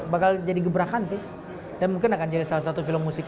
bakal jadi gebrakan sih dan mungkin akan jadi salah satu film musik